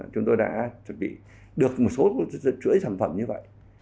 chúng tôi đã chuẩn bị được một số chuỗi sản phẩm như vậy